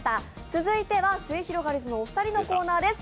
続いてはすゑひろがりずのお二人のコーナーです。